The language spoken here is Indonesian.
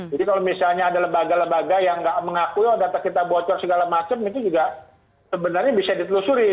jadi kalau misalnya ada lembaga lembaga yang nggak mengakui data kita bocor segala macam itu juga sebenarnya bisa ditelusuri